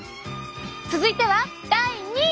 続いては第２位！